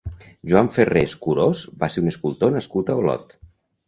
Joan Ferrés Curós va ser un escultor nascut a Olot.